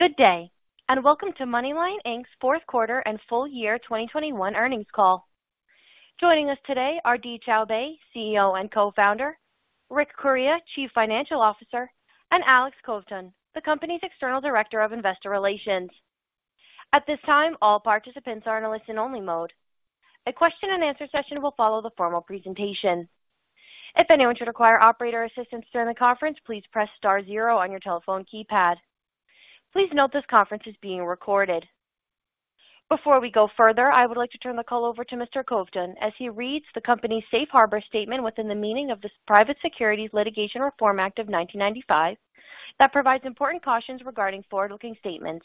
Good day, and welcome to MoneyLion Inc.'s fourth quarter and full year 2021 earnings call. Joining us today are Dee Choubey, CEO and Co-Founder, Rick Correia, Chief Financial Officer, and Alex Kovtun, the company's External Director of Investor Relations. At this time, all participants are in a listen-only mode. A question and answer session will follow the formal presentation. If anyone should require operator assistance during the conference, please press star zero on your telephone keypad. Please note this conference is being recorded. Before we go further, I would like to turn the call over to Mr. Kovtun as he reads the company's safe harbor statement within the meaning of the Private Securities Litigation Reform Act of 1995, that provides important cautions regarding forward-looking statements.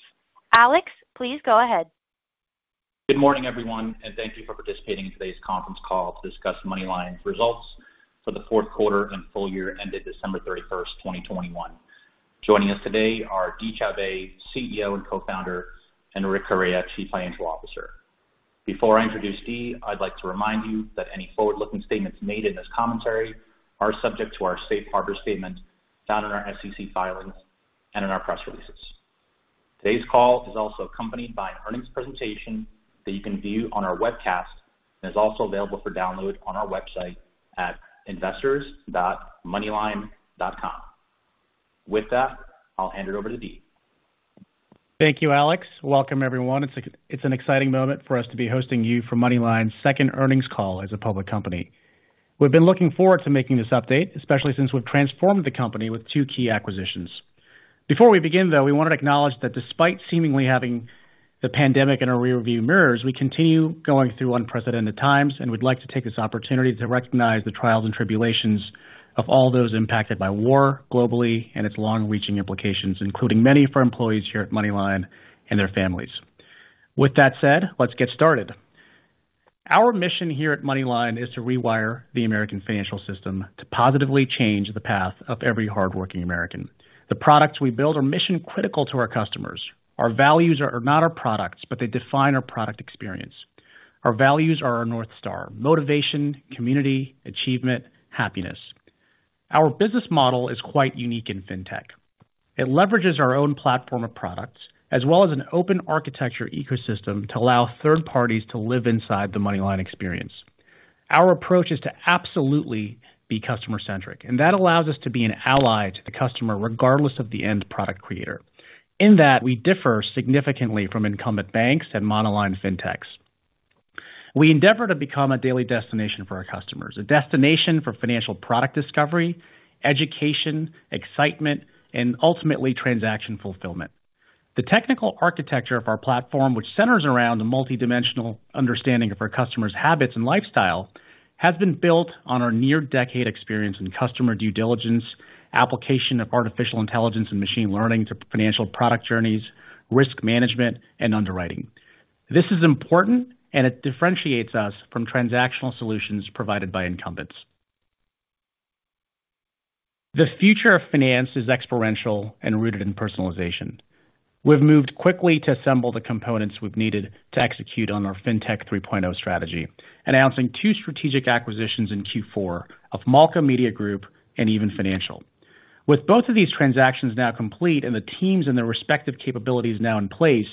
Alex, please go ahead. Good morning, everyone, and thank you for participating in today's conference call to discuss MoneyLion's results for the fourth quarter and full year ended December 31, 2021. Joining us today are Dee Choubey, CEO and Co-Founder, and Rick Correia, Chief Financial Officer. Before I introduce Dee, I'd like to remind you that any forward-looking statements made in this commentary are subject to our safe harbor statement found in our SEC filings and in our press releases. Today's call is also accompanied by an earnings presentation that you can view on our webcast and is also available for download on our website at investors.moneylion.com. With that, I'll hand it over to Dee. Thank you, Alex. Welcome, everyone. It's an exciting moment for us to be hosting you for MoneyLion's second earnings call as a public company. We've been looking forward to making this update, especially since we've transformed the company with two key acquisitions. Before we begin, though, we want to acknowledge that despite seemingly having the pandemic in our rearview mirrors, we continue going through unprecedented times, and we'd like to take this opportunity to recognize the trials and tribulations of all those impacted by war globally and its long-reaching implications, including many of our employees here at MoneyLion and their families. With that said, let's get started. Our mission here at MoneyLion is to rewire the American financial system to positively change the path of every hardworking American. The products we build are mission critical to our customers. Our values are not our products, but they define our product experience. Our values are our North Star, motivation, community, achievement, happiness. Our business model is quite unique in fintech. It leverages our own platform of products as well as an open architecture ecosystem to allow third parties to live inside the MoneyLion experience. Our approach is to absolutely be customer-centric, and that allows us to be an ally to the customer, regardless of the end product creator. In that, we differ significantly from incumbent banks and monoline fintechs. We endeavor to become a daily destination for our customers, a destination for financial product discovery, education, excitement, and ultimately transaction fulfillment. The technical architecture of our platform, which centers around a multidimensional understanding of our customers' habits and lifestyle, has been built on our near-decade experience in customer due diligence, application of artificial intelligence and machine learning to financial product journeys, risk management, and underwriting. This is important, and it differentiates us from transactional solutions provided by incumbents. The future of finance is exponential and rooted in personalization. We've moved quickly to assemble the components we've needed to execute on our FinTech 3.0 strategy, announcing two strategic acquisitions in Q4 of MALKA Media Group and Even Financial. With both of these transactions now complete and the teams and their respective capabilities now in place,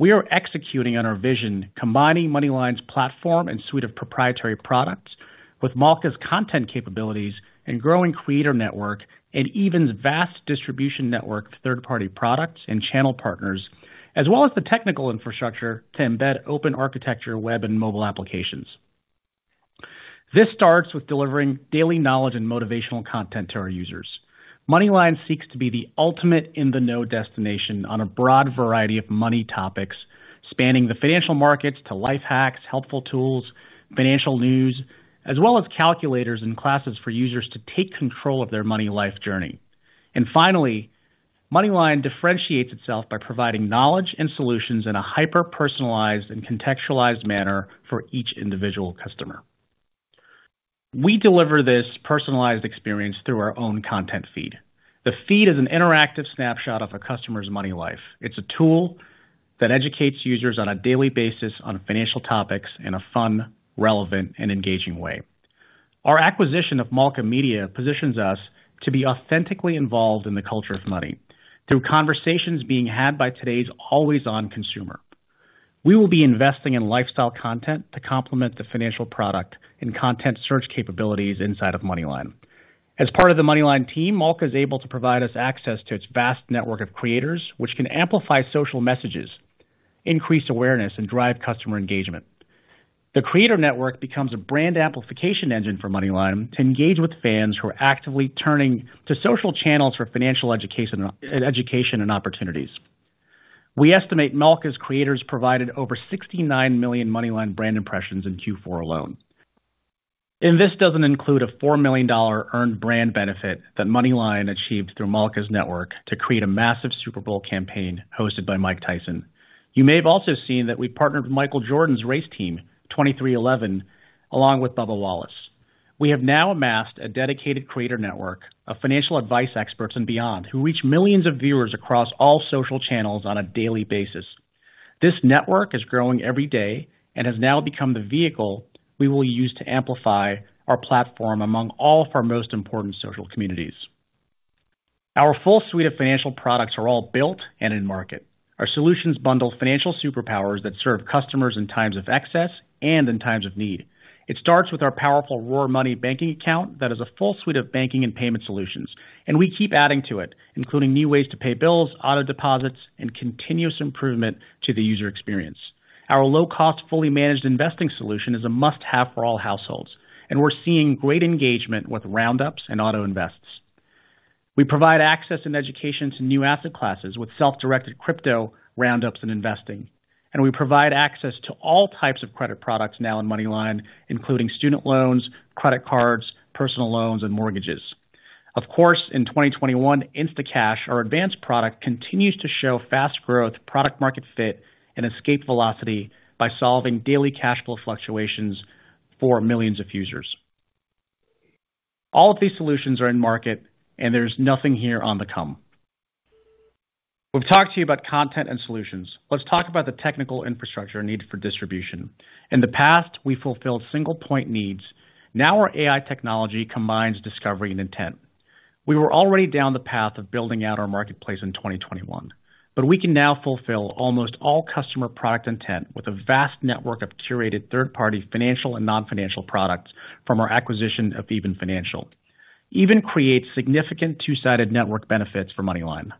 we are executing on our vision, combining MoneyLion's platform and suite of proprietary products with Malka's content capabilities and growing creator network and Even's vast distribution network for third-party products and channel partners, as well as the technical infrastructure to embed open architecture, web, and mobile applications. This starts with delivering daily knowledge and motivational content to our users. MoneyLion seeks to be the ultimate in-the-know destination on a broad variety of money topics, spanning the financial markets to life hacks, helpful tools, financial news, as well as calculators and classes for users to take control of their MoneyLion journey. Finally, MoneyLion differentiates itself by providing knowledge and solutions in a hyper-personalized and contextualized manner for each individual customer. We deliver this personalized experience through our own content feed. The feed is an interactive snapshot of a customer's money life. It's a tool that educates users on a daily basis on financial topics in a fun, relevant, and engaging way. Our acquisition of MALKA Media positions us to be authentically involved in the culture of money through conversations being had by today's always-on consumer. We will be investing in lifestyle content to complement the financial product and content search capabilities inside of MoneyLion. As part of the MoneyLion team, MALKA is able to provide us access to its vast network of creators, which can amplify social messages, increase awareness, and drive customer engagement. The creator network becomes a brand amplification engine for MoneyLion to engage with fans who are actively turning to social channels for financial education and opportunities. We estimate MALKA's creators provided over 69 million MoneyLion brand impressions in Q4 alone. This doesn't include a $4 million earned brand benefit that MoneyLion achieved through MALKA's network to create a massive Super Bowl campaign hosted by Mike Tyson. You may have also seen that we partnered with Michael Jordan's race team, 23XI, along with Bubba Wallace. We have now amassed a dedicated creator network of financial advice experts and beyond, who reach millions of viewers across all social channels on a daily basis. This network is growing every day and has now become the vehicle we will use to amplify our platform among all of our most important social communities. Our full suite of financial products are all built and in market. Our solutions bundle financial superpowers that serve customers in times of excess and in times of need. It starts with our powerful RoarMoney banking account that is a full suite of banking and payment solutions, and we keep adding to it, including new ways to pay bills, auto deposits, and continuous improvement to the user experience. Our low-cost, fully managed investing solution is a must-have for all households, and we're seeing great engagement with roundups and auto invests. We provide access and education to new asset classes with self-directed crypto roundups and investing. We provide access to all types of credit products now in MoneyLion, including student loans, credit cards, personal loans, and mortgages. Of course, in 2021 Instacash, our advanced product, continues to show fast growth, product market fit, and escape velocity by solving daily cash flow fluctuations for millions of users. All of these solutions are in market, and there's nothing here on the come. We've talked to you about content and solutions. Let's talk about the technical infrastructure needed for distribution. In the past, we fulfilled single point needs. Now our AI technology combines discovery and intent. We were already down the path of building out our marketplace in 2021, but we can now fulfill almost all customer product intent with a vast network of curated third-party financial and non-financial products from our acquisition of Even Financial. Even creates significant two-sided network benefits for MoneyLion.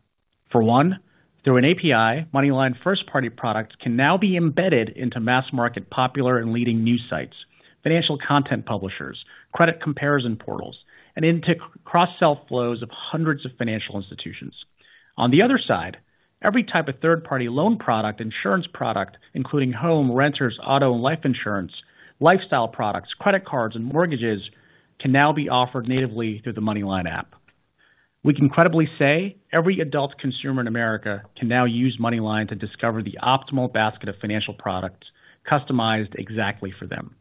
For one, through an API, MoneyLion first-party products can now be embedded into mass market popular and leading news sites, financial content publishers, credit comparison portals, and into cross-sell flows of hundreds of financial institutions. On the other side, every type of third-party loan product, insurance product, including home, renters, auto, and life insurance, lifestyle products, credit cards, and mortgages, can now be offered natively through the MoneyLion app. We can credibly say every adult consumer in America can now use MoneyLion to discover the optimal basket of financial products customized exactly for them.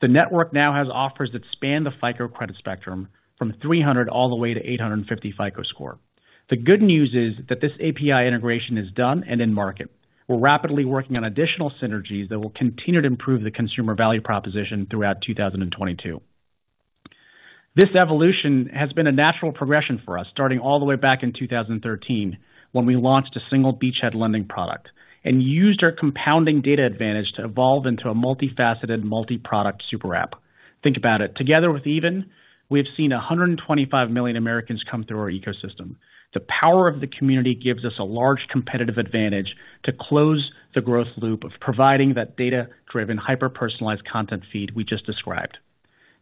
The network now has offers that span the FICO credit spectrum from 300 all the way to 850 FICO score. The good news is that this API integration is done and in market. We're rapidly working on additional synergies that will continue to improve the consumer value proposition throughout 2022. This evolution has been a natural progression for us, starting all the way back in 2013 when we launched a single beachhead lending product and used our compounding data advantage to evolve into a multifaceted multi-product super app. Think about it. Together with Even, we've seen 125 million Americans come through our ecosystem. The power of the community gives us a large competitive advantage to close the growth loop of providing that data-driven, hyper-personalized content feed we just described.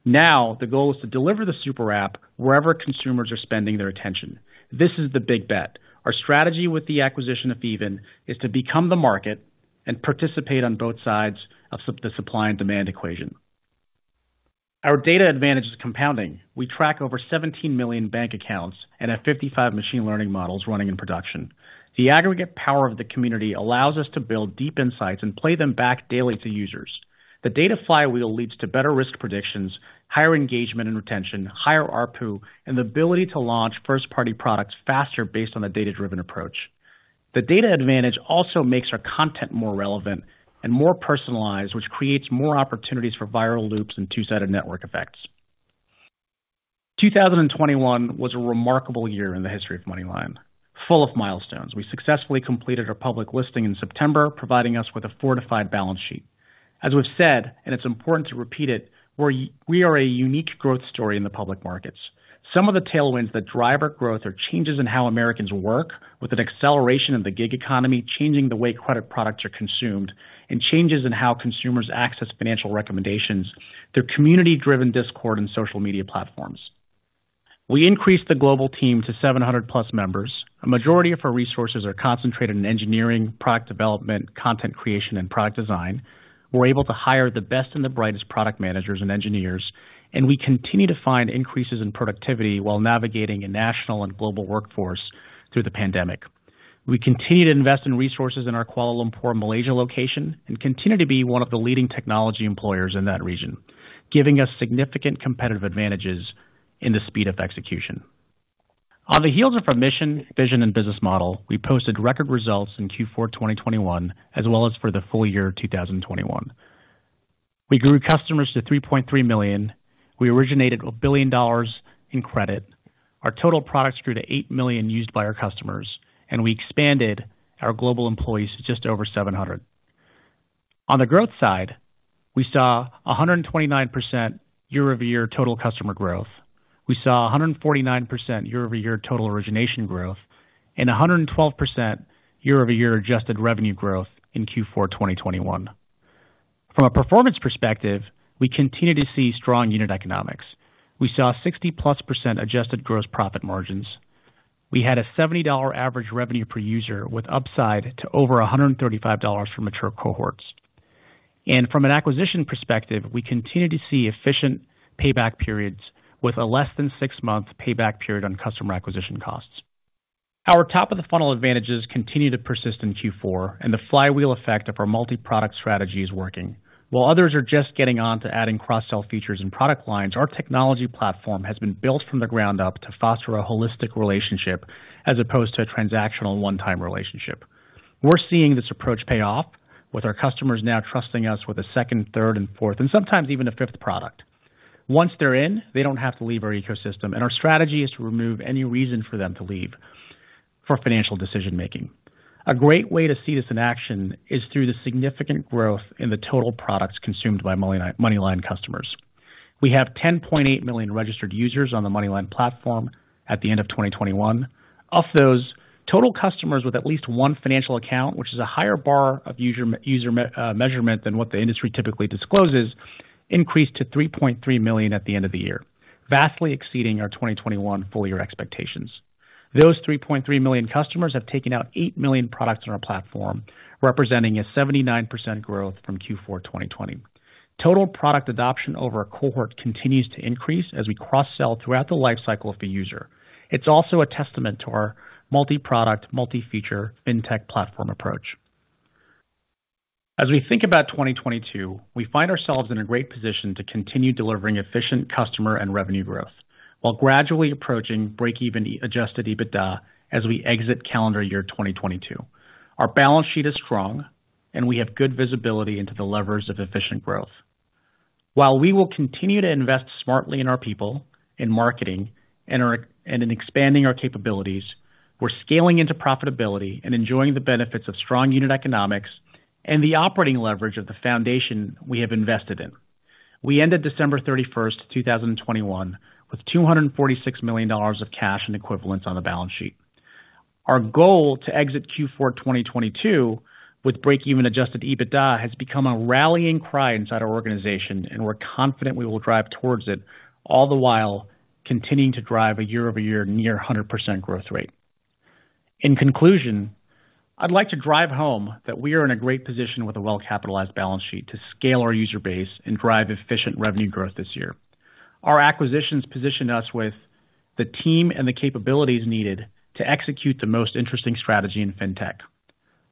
Now, the goal is to deliver the super app wherever consumers are spending their attention. This is the big bet. Our strategy with the acquisition of Even is to become the market and participate on both sides of the supply and demand equation. Our data advantage is compounding. We track over 17 million bank accounts and have 55 machine learning models running in production. The aggregate power of the community allows us to build deep insights and play them back daily to users. The data flywheel leads to better risk predictions, higher engagement and retention, higher ARPU, and the ability to launch first-party products faster based on the data-driven approach. The data advantage also makes our content more relevant and more personalized, which creates more opportunities for viral loops and two-sided network effects. 2021 was a remarkable year in the history of MoneyLion, full of milestones. We successfully completed our public listing in September, providing us with a fortified balance sheet. As we've said, and it's important to repeat it, we are a unique growth story in the public markets. Some of the tailwinds that drive our growth are changes in how Americans work, with an acceleration of the gig economy changing the way credit products are consumed, and changes in how consumers access financial recommendations through community-driven Discord and social media platforms. We increased the global team to 700+ members. A majority of our resources are concentrated in engineering, product development, content creation, and product design. We're able to hire the best and the brightest product managers and engineers, and we continue to find increases in productivity while navigating a national and global workforce through the pandemic. We continue to invest in resources in our Kuala Lumpur, Malaysia location, and continue to be one of the leading technology employers in that region, giving us significant competitive advantages in the speed of execution. On the heels of our mission, vision, and business model, we posted record results in Q4 2021, as well as for the full year 2021. We grew customers to 3.3 million. We originated $1 billion in credit. Our total products grew to 8 million used by our customers, and we expanded our global employees to just over 700. On the growth side, we saw 129% year-over-year total customer growth. We saw 149% year-over-year total origination growth and 112% year-over-year adjusted revenue growth in Q4 2021. From a performance perspective, we continue to see strong unit economics. We saw 60+% Adjusted Gross Profit margins. We had a $70 average revenue per user with upside to over $135 for mature cohorts. From an acquisition perspective, we continue to see efficient payback periods with a less than six-month payback period on customer acquisition costs. Our top-of-the-funnel advantages continue to persist in Q4, and the flywheel effect of our multi-product strategy is working. While others are just getting on to adding cross-sell features and product lines, our technology platform has been built from the ground up to foster a holistic relationship as opposed to a transactional one-time relationship. We're seeing this approach pay off with our customers now trusting us with a second, third, and fourth, and sometimes even a fifth product. Once they're in, they don't have to leave our ecosystem, and our strategy is to remove any reason for them to leave for financial decision-making. A great way to see this in action is through the significant growth in the total products consumed by MoneyLion customers. We have 10.8 million registered users on the MoneyLion platform at the end of 2021. Of those, total customers with at least one financial account, which is a higher bar of user metric measurement than what the industry typically discloses, increased to 3.3 million at the end of the year, vastly exceeding our 2021 full year expectations. Those 3.3 million customers have taken out 8 million products on our platform, representing a 79% growth from Q4 2020. Total product adoption over a cohort continues to increase as we cross-sell throughout the lifecycle of the user. It's also a testament to our multi-product, multi-feature fintech platform approach. As we think about 2022, we find ourselves in a great position to continue delivering efficient customer and revenue growth while gradually approaching break-even Adjusted EBITDA as we exit calendar year 2022. Our balance sheet is strong, and we have good visibility into the levers of efficient growth. While we will continue to invest smartly in our people, in marketing, and in expanding our capabilities, we're scaling into profitability and enjoying the benefits of strong unit economics and the operating leverage of the foundation we have invested in. We ended December 31st, 2021 with $246 million of cash and equivalents on the balance sheet. Our goal to exit Q4 2022 with break-even Adjusted EBITDA has become a rallying cry inside our organization, and we're confident we will drive towards it, all the while continuing to drive a year-over-year near 100% growth rate. In conclusion, I'd like to drive home that we are in a great position with a well-capitalized balance sheet to scale our user base and drive efficient revenue growth this year. Our acquisitions position us with the team and the capabilities needed to execute the most interesting strategy in fintech.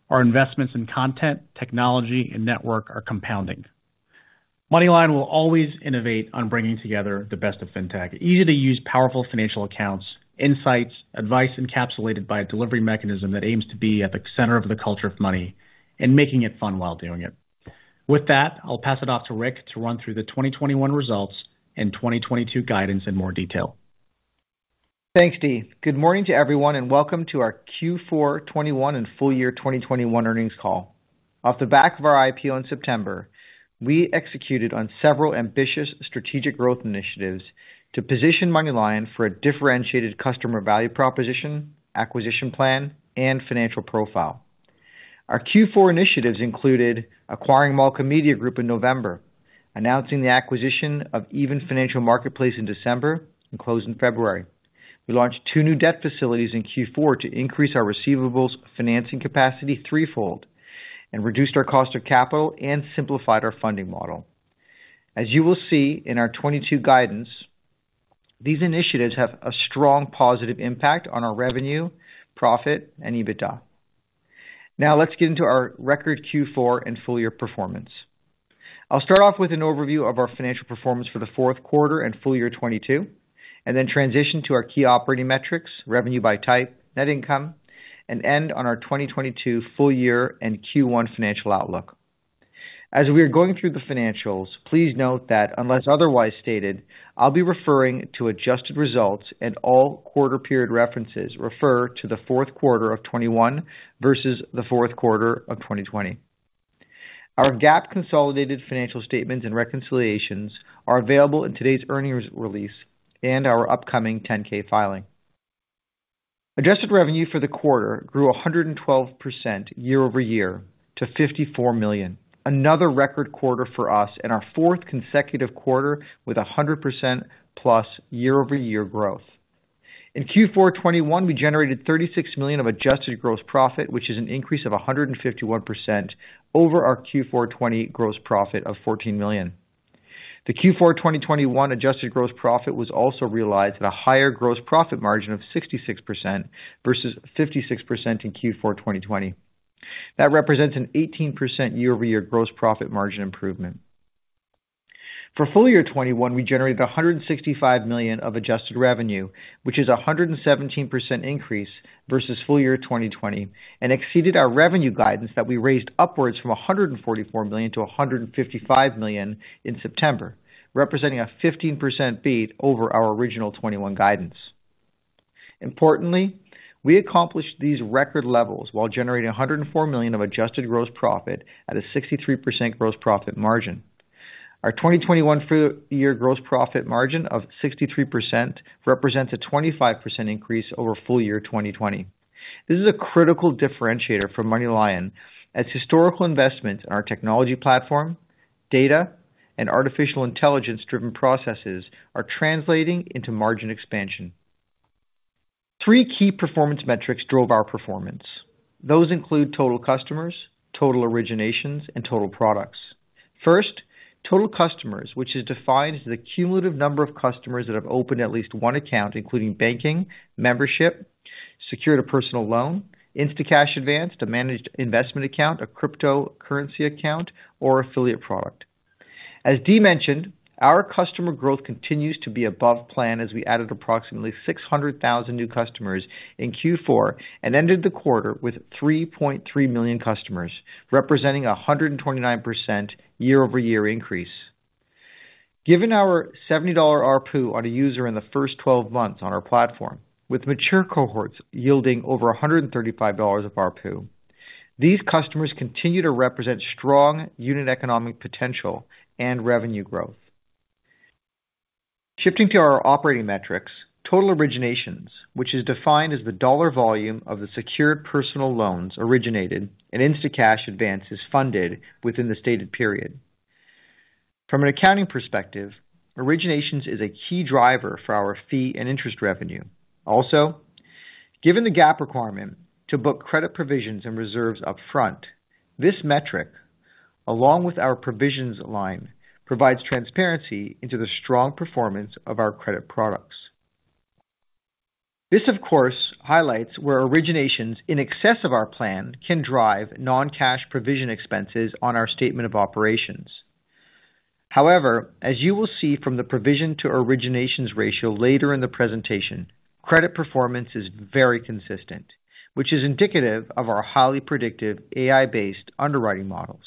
Our investments in content, technology, and network are compounding. MoneyLion will always innovate on bringing together the best of fintech, easy-to-use powerful financial accounts, insights, advice encapsulated by a delivery mechanism that aims to be at the center of the culture of money and making it fun while doing it. With that, I'll pass it off to Rick to run through the 2021 results and 2022 guidance in more detail. Thanks, Dee. Good morning to everyone, and welcome to our Q4 2021 and full year 2021 earnings call. Off the back of our IPO in September, we executed on several ambitious strategic growth initiatives to position MoneyLion for a differentiated customer value proposition, acquisition plan, and financial profile. Our Q4 initiatives included acquiring MALKA Media Group in November, announcing the acquisition of Even Financial in December and closed in February. We launched two new debt facilities in Q4 to increase our receivables financing capacity threefold and reduced our cost of capital and simplified our funding model. As you will see in our 2022 guidance, these initiatives have a strong positive impact on our revenue, profit, and EBITDA. Now let's get into our record Q4 and full year performance. I'll start off with an overview of our financial performance for the fourth quarter and full year 2022 and then transition to our key operating metrics, revenue by type, net income, and end on our 2022 full year and Q1 financial outlook. As we are going through the financials, please note that unless otherwise stated, I'll be referring to adjusted results and all quarter period references refer to the fourth quarter of 2021 versus the fourth quarter of 2020. Our GAAP consolidated financial statements and reconciliations are available in today's earnings release and our upcoming 10-K filing. Adjusted revenue for the quarter grew 112% year-over-year to $54 million. Another record quarter for us and our fourth consecutive quarter with 100% plus year-over-year growth. In Q4 2021, we generated $36 million of Adjusted Gross Profit, which is an increase of 151% over our Q4 2020 gross profit of $14 million. The Q4 2021 Adjusted Gross Profit was also realized at a higher gross profit margin of 66% versus 56% in Q4 2020. That represents an 18% year-over-year gross profit margin improvement. For full year 2021, we generated $165 million of adjusted revenue, which is a 117% increase versus full year 2020 and exceeded our revenue guidance that we raised upwards from $144 million to $155 million in September, representing a 15% beat over our original 2021 guidance. Importantly, we accomplished these record levels while generating $104 million of adjusted gross profit at a 63% gross profit margin. Our 2021 full year gross profit margin of 63% represents a 25% increase over full year 2020. This is a critical differentiator for MoneyLion as historical investments in our technology platform, data, and artificial intelligence-driven processes are translating into margin expansion. Three key performance metrics drove our performance. Those include total customers, total originations, and total products. First, total customers, which is defined as the cumulative number of customers that have opened at least one account, including banking, membership, secured a personal loan, Instacash advance, a managed investment account, a cryptocurrency account, or affiliate product. As Dee mentioned, our customer growth continues to be above plan as we added approximately 600,000 new customers in Q4 and ended the quarter with 3.3 million customers, representing a 129% year-over-year increase. Given our $70 ARPU on a user in the first 12 months on our platform, with mature cohorts yielding over $135 of ARPU, these customers continue to represent strong unit economic potential and revenue growth. Shifting to our operating metrics, total originations, which is defined as the dollar volume of the secured personal loans originated and Instacash advances funded within the stated period. From an accounting perspective, originations is a key driver for our fee and interest revenue. Also, given the GAAP requirement to book credit provisions and reserves upfront, this metric, along with our provisions line, provides transparency into the strong performance of our credit products. This, of course, highlights where originations in excess of our plan can drive non-cash provision expenses on our statement of operations. However, as you will see from the provision to originations ratio later in the presentation, credit performance is very consistent, which is indicative of our highly predictive AI-based underwriting models.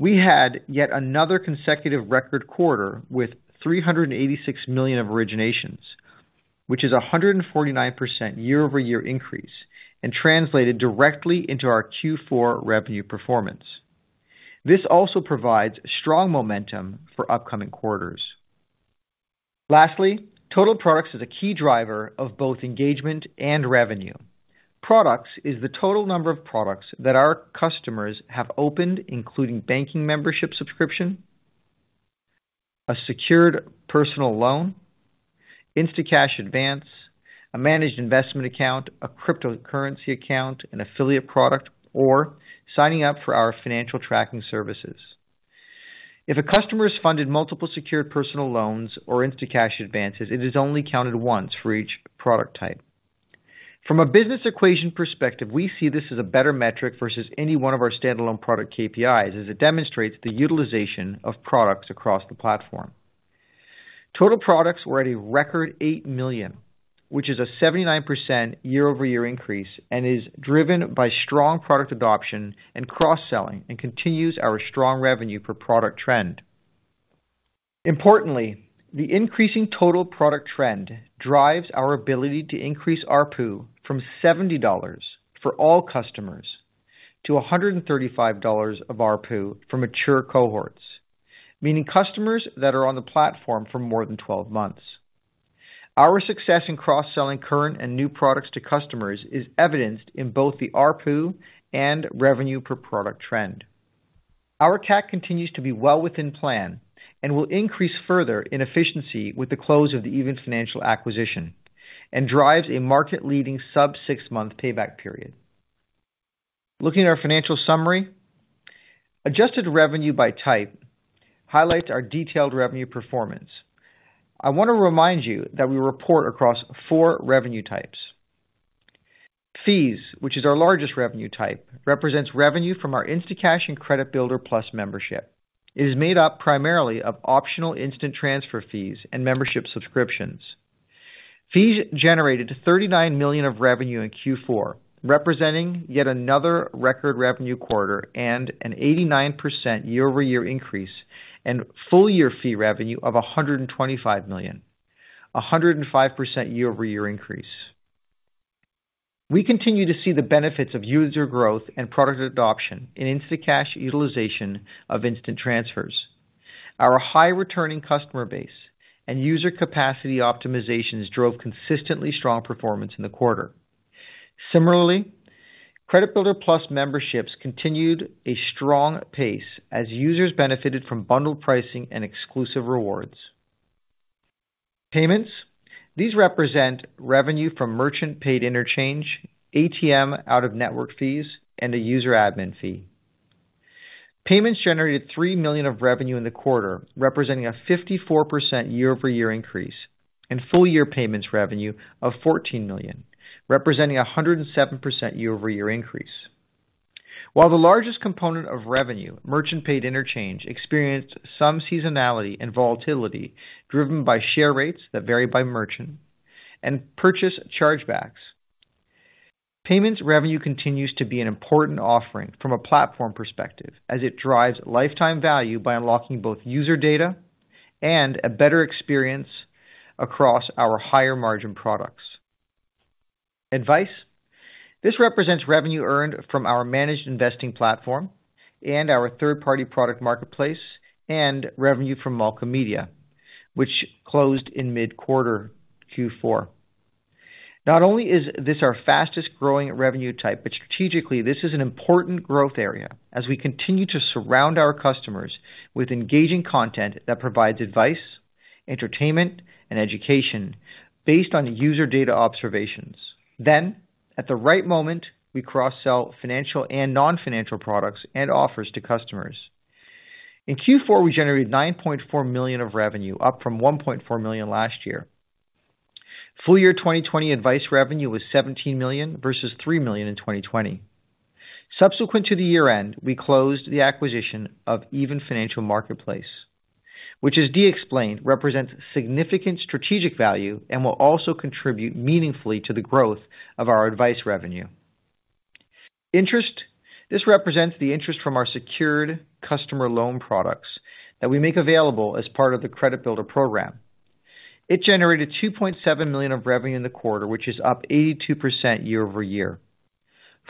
We had yet another consecutive record quarter with $386 million of originations, which is a 149% year-over-year increase and translated directly into our Q4 revenue performance. This also provides strong momentum for upcoming quarters. Lastly, total products is a key driver of both engagement and revenue. Products is the total number of products that our customers have opened including banking membership subscription, a secured personal loan, Instacash advance, a managed investment account, a cryptocurrency account, an affiliate product, or signing up for our financial tracking services. If a customer has funded multiple secured personal loans or Instacash advances, it is only counted once for each product type. From a business equation perspective, we see this as a better metric versus any one of our standalone product KPIs as it demonstrates the utilization of products across the platform. Total products were at a record 8 million, which is a 79% year-over-year increase and is driven by strong product adoption and cross-selling and continues our strong revenue per product trend. Importantly, the increasing total product trend drives our ability to increase ARPU from $70 for all customers to $135 of ARPU for mature cohorts, meaning customers that are on the platform for more than 12 months. Our success in cross-selling current and new products to customers is evidenced in both the ARPU and revenue per product trend. Our CAC continues to be well within plan and will increase further in efficiency with the close of the Even Financial acquisition and drives a market leading sub-six-month payback period. Looking at our financial summary. Adjusted revenue by type highlights our detailed revenue performance. I want to remind you that we report across four revenue types. Fees, which is our largest revenue type, represents revenue from our Instacash and Credit Builder Plus membership. It is made up primarily of optional instant transfer fees and membership subscriptions. Fees generated $39 million of revenue in Q4, representing yet another record revenue quarter and an 89% year-over-year increase and full year fee revenue of $125 million, a 105% year-over-year increase. We continue to see the benefits of user growth and product adoption in Instacash utilization of instant transfers. Our high returning customer base and user capacity optimizations drove consistently strong performance in the quarter. Similarly, Credit Builder Plus memberships continued a strong pace as users benefited from bundled pricing and exclusive rewards. Payments. These represent revenue from merchant paid interchange, ATM out-of-network fees, and a user admin fee. Payments generated $3 million of revenue in the quarter, representing a 54% year-over-year increase and full year payments revenue of $14 million, representing a 107% year-over-year increase. While the largest component of revenue, merchant paid interchange, experienced some seasonality and volatility driven by share rates that vary by merchant and purchase chargebacks. Payments revenue continues to be an important offering from a platform perspective as it drives lifetime value by unlocking both user data and a better experience across our higher margin products. Advice. This represents revenue earned from our managed investing platform and our third-party product marketplace and revenue from MALKA Media, which closed in mid-quarter Q4. Not only is this our fastest growing revenue type, but strategically this is an important growth area as we continue to surround our customers with engaging content that provides advice, entertainment, and education based on user data observations. At the right moment, we cross-sell financial and non-financial products and offers to customers. In Q4, we generated $9.4 million of revenue, up from $1.4 million last year. Full year 2020 advice revenue was $17 million versus $3 million in 2020. Subsequent to the year-end, we closed the acquisition of Even Financial Marketplace, which as Dee explained, represents significant strategic value and will also contribute meaningfully to the growth of our advice revenue. Interest. This represents the interest from our secured customer loan products that we make available as part of the credit builder program. It generated $2.7 million of revenue in the quarter, which is up 82% year-over-year.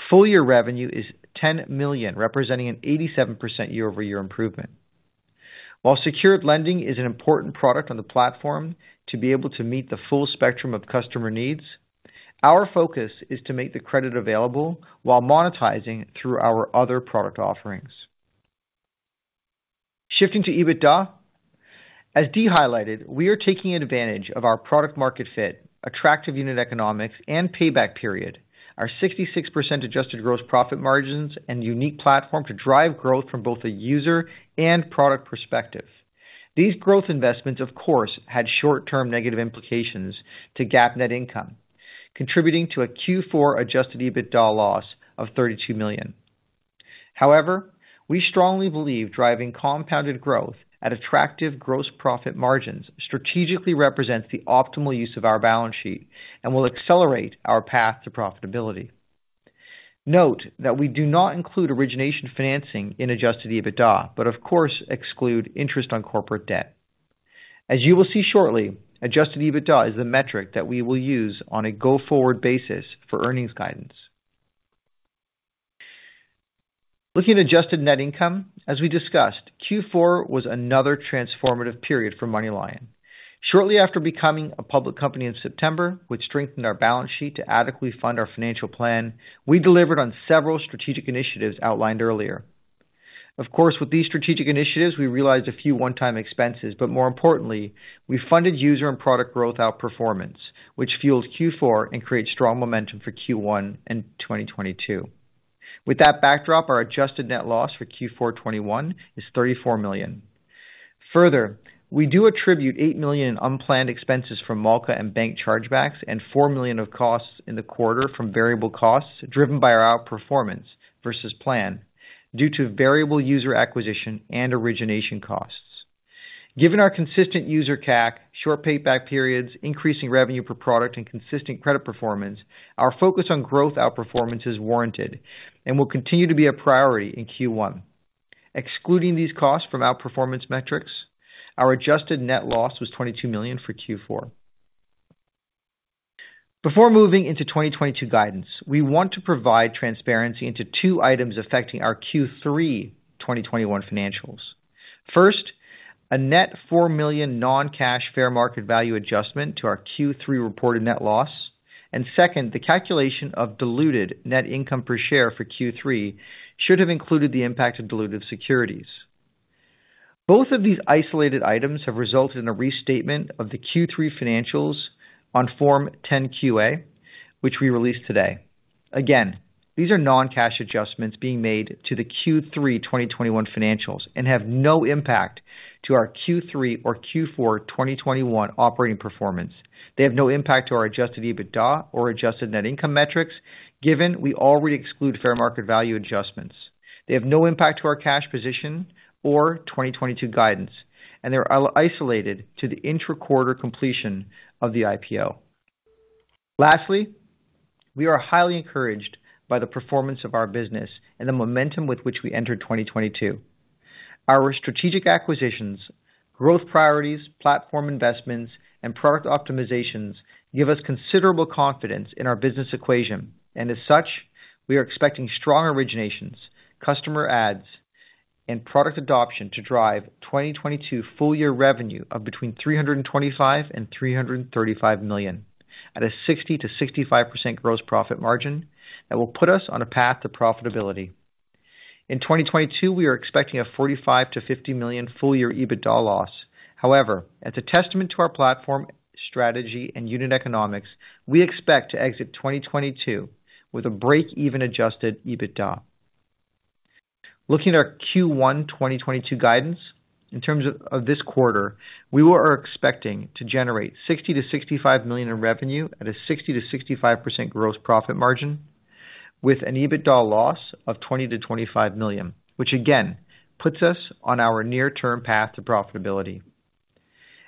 Full year revenue is $10 million, representing an 87% year-over-year improvement. While secured lending is an important product on the platform to be able to meet the full spectrum of customer needs, our focus is to make the credit available while monetizing through our other product offerings. Shifting to EBITDA. As Dee highlighted, we are taking advantage of our product market fit, attractive unit economics and payback period, our 66% Adjusted Gross Profit margins and unique platform to drive growth from both a user and product perspective. These growth investments, of course, had short-term negative implications to GAAP net income, contributing to a Q4 Adjusted EBITDA loss of $32 million. However, we strongly believe driving compounded growth at attractive gross profit margins strategically represents the optimal use of our balance sheet and will accelerate our path to profitability. Note that we do not include origination financing in Adjusted EBITDA, but of course exclude interest on corporate debt. As you will see shortly, Adjusted EBITDA is the metric that we will use on a go-forward basis for earnings guidance. Looking at adjusted net income, as we discussed, Q4 was another transformative period for MoneyLion. Shortly after becoming a public company in September, which strengthened our balance sheet to adequately fund our financial plan, we delivered on several strategic initiatives outlined earlier. Of course, with these strategic initiatives, we realized a few one-time expenses, but more importantly, we funded user and product growth outperformance, which fueled Q4 and creates strong momentum for Q1 in 2022. With that backdrop, our adjusted net loss for Q4 2021 is $34 million. Further, we do attribute $8 million in unplanned expenses from MALKA and bank chargebacks and $4 million of costs in the quarter from variable costs driven by our outperformance versus plan due to variable user acquisition and origination costs. Given our consistent user CAC, short payback periods, increasing revenue per product, and consistent credit performance, our focus on growth outperformance is warranted and will continue to be a priority in Q1. Excluding these costs from outperformance metrics, our adjusted net loss was $22 million for Q4. Before moving into 2022 guidance, we want to provide transparency into two items affecting our Q3 2021 financials. First, a net $4 million non-cash fair market value adjustment to our Q3 reported net loss. Second, the calculation of diluted net income per share for Q3 should have included the impact of diluted securities. Both of these isolated items have resulted in a restatement of the Q3 financials on Form 10-Q/A, which we released today. Again, these are non-cash adjustments being made to the Q3 2021 financials and have no impact to our Q3 or Q4 2021 operating performance. They have no impact to our Adjusted EBITDA or adjusted net income metrics given we already exclude fair market value adjustments. They have no impact to our cash position or 2022 guidance, and they're isolated to the intra-quarter completion of the IPO. Lastly, we are highly encouraged by the performance of our business and the momentum with which we enter 2022. Our strategic acquisitions, growth priorities, platform investments, and product optimizations give us considerable confidence in our business equation. As such, we are expecting strong originations, customer adds, and product adoption to drive 2022 full year revenue of between $325 million and $335 million at a 60%-65% gross profit margin that will put us on a path to profitability. In 2022, we are expecting a $45 million-$50 million full year EBITDA loss. However, as a testament to our platform strategy and unit economics, we expect to exit 2022 with a break-even Adjusted EBITDA. Looking at our Q1 2022 guidance, in terms of this quarter, we are expecting to generate $60 million-$65 million in revenue at a 60%-65% gross profit margin with an EBITDA loss of $20 million-$25 million, which again puts us on our near-term path to profitability.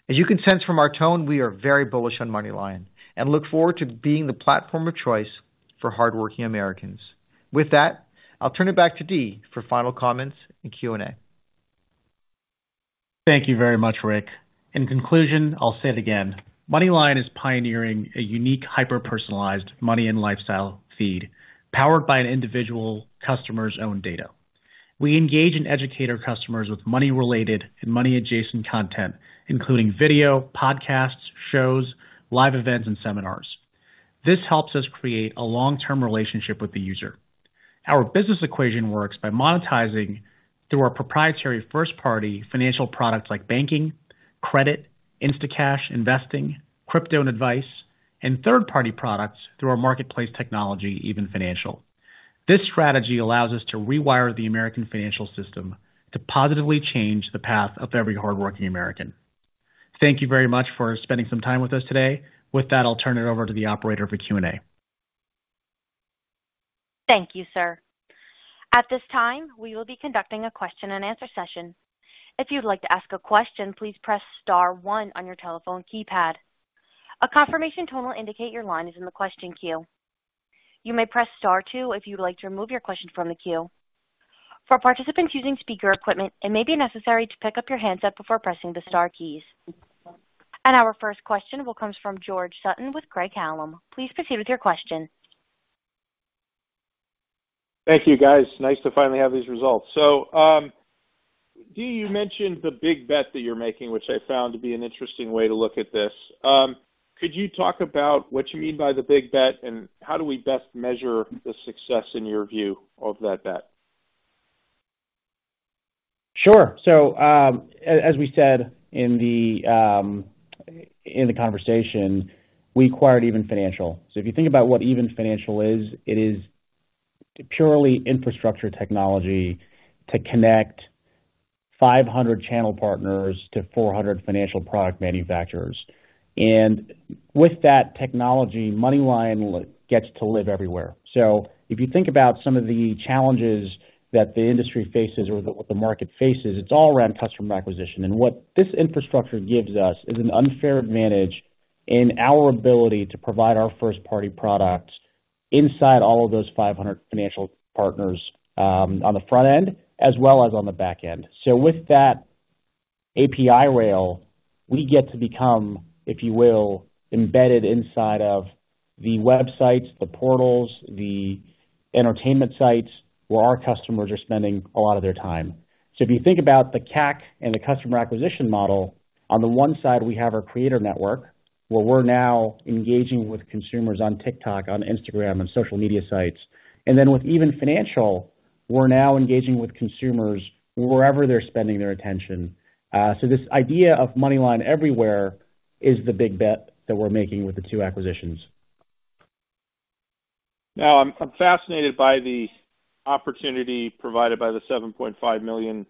As you can sense from our tone, we are very bullish on MoneyLion and look forward to being the platform of choice for hardworking Americans. With that, I'll turn it back to Dee for final comments and Q&A. Thank you very much, Rick. In conclusion, I'll say it again, MoneyLion is pioneering a unique hyper-personalized money and lifestyle feed powered by an individual customer's own data. We engage and educate our customers with money-related and money-adjacent content, including video, podcasts, shows, live events, and seminars. This helps us create a long-term relationship with the user. Our business equation works by monetizing through our proprietary first-party financial products like banking, credit, Instacash, investing, crypto, and advice, and third-party products through our marketplace technology, Even Financial. This strategy allows us to rewire the American financial system to positively change the path of every hardworking American. Thank you very much for spending some time with us today. With that, I'll turn it over to the operator for Q&A. Thank you, sir. At this time, we will be conducting a question-and-answer session. If you'd like to ask a question, please press star one on your telephone keypad. A confirmation tone will indicate your line is in the question queue. You may press star two if you'd like to remove your question from the queue. For participants using speaker equipment, it may be necessary to pick up your handset before pressing the star keys. Our first question will come from George Sutton with Craig-Hallum. Please proceed with your question. Thank you, guys. Nice to finally have these results. Dee, you mentioned the big bet that you're making, which I found to be an interesting way to look at this. Could you talk about what you mean by the big bet and how do we best measure the success, in your view, of that bet? Sure. As we said in the conversation, we acquired Even Financial. If you think about what Even Financial is, it is purely infrastructure technology to connect 500 channel partners to 400 financial product manufacturers. With that technology, MoneyLion gets to live everywhere. If you think about some of the challenges that the industry faces or the market faces, it's all around customer acquisition. What this infrastructure gives us is an unfair advantage in our ability to provide our first-party products inside all of those 500 financial partners, on the front end as well as on the back end. With that API rail, we get to become, if you will, embedded inside of the websites, the portals, the entertainment sites where our customers are spending a lot of their time. If you think about the CAC and the customer acquisition model, on the one side we have our creator network, where we're now engaging with consumers on TikTok, on Instagram and social media sites. With Even Financial, we're now engaging with consumers wherever they're spending their attention. This idea of MoneyLion everywhere is the big bet that we're making with the two acquisitions. Now, I'm fascinated by the opportunity provided by the 7.5 million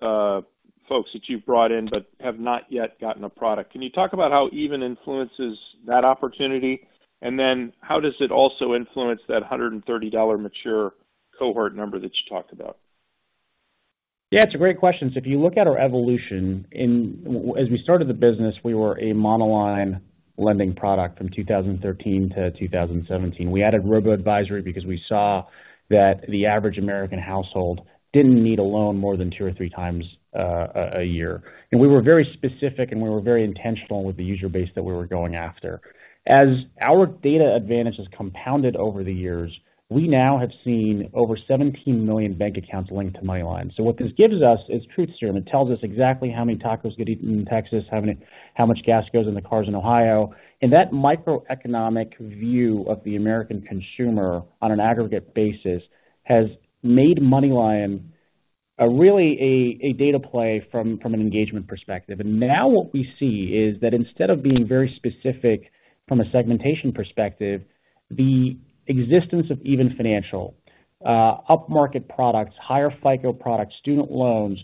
folks that you've brought in but have not yet gotten a product. Can you talk about how Even influences that opportunity? How does it also influence that $130 mature cohort number that you talked about? Yeah, it's a great question. If you look at our evolution. As we started the business, we were a monoline lending product from 2013-2017. We added robo-advisory because we saw that the average American household didn't need a loan more than two or three times a year. We were very specific and we were very intentional with the user base that we were going after. As our data advantage has compounded over the years, we now have seen over 17 million bank accounts linked to MoneyLion. What this gives us is truth serum. It tells us exactly how many tacos get eaten in Texas, how much gas goes in the cars in Ohio. That microeconomic view of the American consumer on an aggregate basis has made MoneyLion a really data play from an engagement perspective. Now what we see is that instead of being very specific from a segmentation perspective, the existence of Even Financial, upmarket products, higher FICO products, student loans,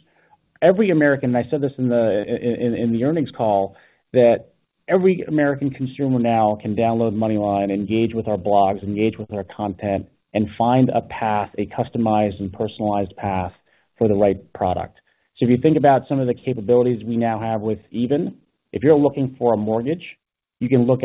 every American, and I said this in the earnings call, that every American consumer now can download MoneyLion, engage with our blogs, engage with our content, and find a path, a customized and personalized path for the right product. If you think about some of the capabilities we now have with Even, if you're looking for a mortgage, you can look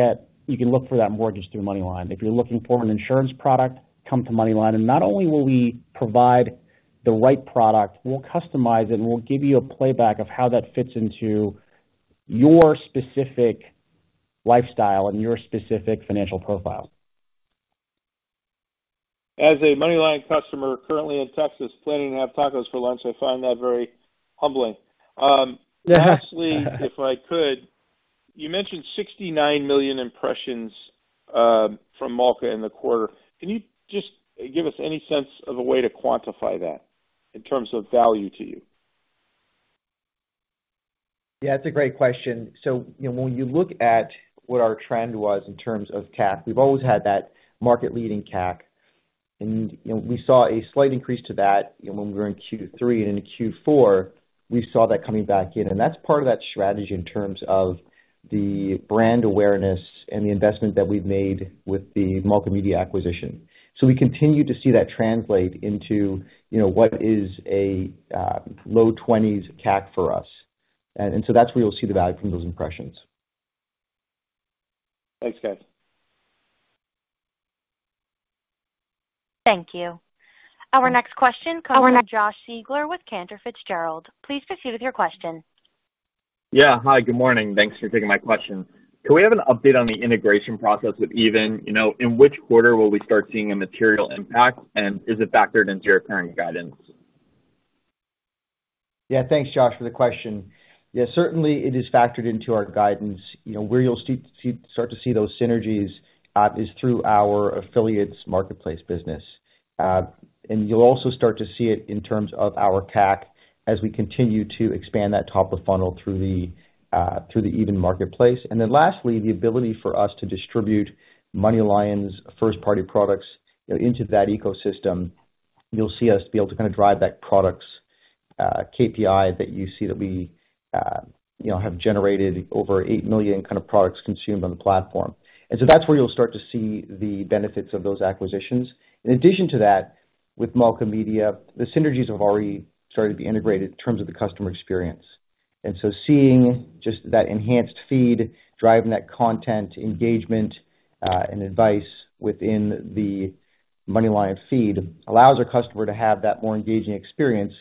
for that mortgage through MoneyLion. If you're looking for an insurance product, come to MoneyLion. Not only will we provide the right product, we'll customize it, and we'll give you a playback of how that fits into your specific lifestyle and your specific financial profile. As a MoneyLion customer currently in Texas planning to have tacos for lunch, I find that very humbling. Actually, if I could, you mentioned 69 million impressions from MALKA in the quarter. Can you just give us any sense of a way to quantify that in terms of value to you? Yeah, it's a great question. You know, when you look at what our trend was in terms of CAC, we've always had that market-leading CAC. You know, we saw a slight increase to that, you know, when we were in Q3 and in Q4, we saw that coming back in. That's part of that strategy in terms of the brand awareness and the investment that we've made with the Malka acquisition. We continue to see that translate into, you know, what is a low 20s CAC for us. That's where you'll see the value from those impressions. Thanks, guys. Thank you. Our next question comes from Josh Siegler with Cantor Fitzgerald. Please proceed with your question. Yeah. Hi, good morning. Thanks for taking my question. Can we have an update on the integration process with Even? You know, in which quarter will we start seeing a material impact? Is it factored into your current guidance? Yeah, thanks, Josh, for the question. Yeah, certainly it is factored into our guidance. You know, where you'll start to see those synergies is through our affiliates marketplace business. You'll also start to see it in terms of our CAC as we continue to expand that top of funnel through the Even marketplace. Lastly, the ability for us to distribute MoneyLion's first-party products, you know, into that ecosystem. You'll see us be able to kinda drive that products KPI that you see that we, you know, have generated over 8 million kind of products consumed on the platform. That's where you'll start to see the benefits of those acquisitions. In addition to that, with MALKA, the synergies have already started to be integrated in terms of the customer experience. Seeing just that enhanced feed, driving that content engagement, and advice within the MoneyLion feed allows our customer to have that more engaging experience,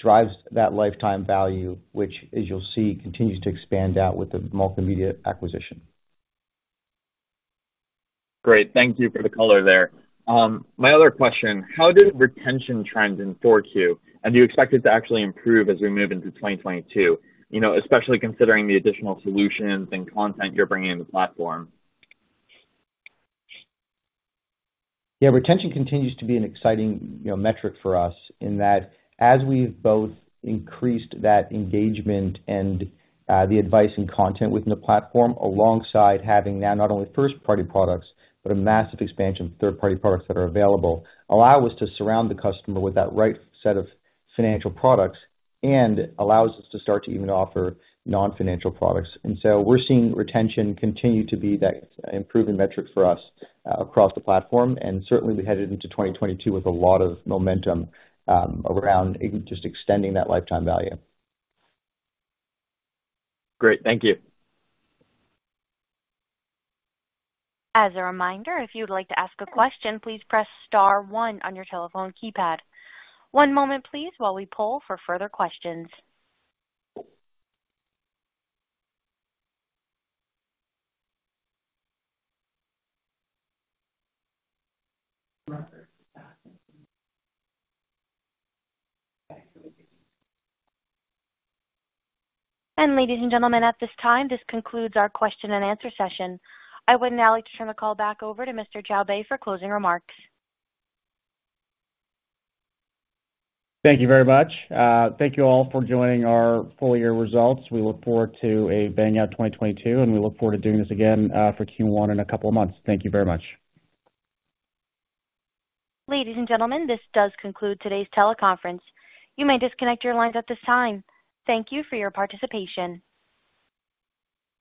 drives that lifetime value, which as you'll see, continues to expand out with the MALKA acquisition. Great. Thank you for the color there. My other question, how did retention trend in Q4? Do you expect it to actually improve as we move into 2022, you know, especially considering the additional solutions and content you're bringing in the platform? Yeah, retention continues to be an exciting, you know, metric for us in that as we've both increased that engagement and the advice and content within the platform alongside having now not only first-party products, but a massive expansion of third-party products that are available, allow us to surround the customer with that right set of financial products and allows us to start to even offer non-financial products. We're seeing retention continue to be that improving metric for us across the platform, and certainly we headed into 2022 with a lot of momentum around just extending that lifetime value. Great. Thank you. As a reminder, if you'd like to ask a question, please press star one on your telephone keypad. One moment please, while we poll for further questions. Ladies and gentlemen, at this time, this concludes our question and answer session. I would now like to turn the call back over to Mr. Dee Choubey for closing remarks. Thank you very much. Thank you all for joining our full-year results. We look forward to a bang-up 2022, and we look forward to doing this again for Q1 in a couple of months. Thank you very much. Ladies and gentlemen, this does conclude today's teleconference. You may disconnect your lines at this time. Thank you for your participation.